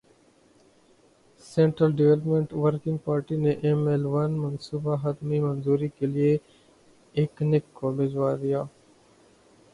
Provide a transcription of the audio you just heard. central development working party نے ML one ون منصوبہ حتمی منظوری کیلئے ایکنک کو بھجوادیا